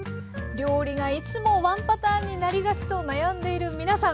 料理がいつもワンパターンになりがちと悩んでいる皆さん！